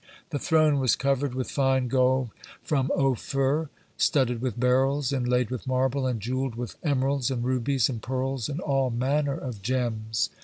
The throne was covered with fine gold from Ophir, studded with beryls, inlaid with marble, and jewelled with emeralds, and rubies, and pearls, and all manner of gems.